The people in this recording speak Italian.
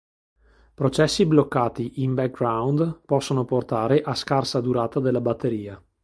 Processi bloccati in background possono portare a scarsa durata della batteria.